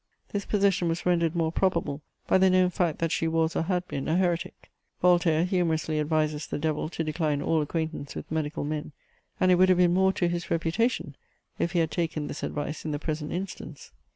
This possession was rendered more probable by the known fact that she was or had been a heretic. Voltaire humorously advises the devil to decline all acquaintance with medical men; and it would have been more to his reputation, if he had taken this advice in the present instance.